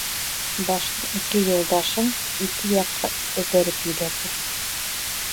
- Башлыҡ ике юлдашын ике яҡҡа этәреп ебәрҙе.